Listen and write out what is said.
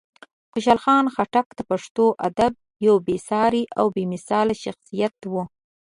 خوشحال خان خټک د پښتو ادب یو بېساری او بېمثاله شخصیت و.